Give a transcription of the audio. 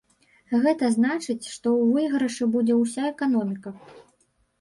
Гэта значыць, што ў выйгрышы будзе ўся эканоміка.